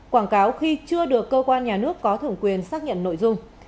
quảng cáo khi chưa được cơ quan nhà nước có thẩm quyền xác nhận nội dung